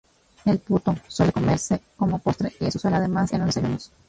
El "puto" suele comerse como postre, y es usual además en los desayunos.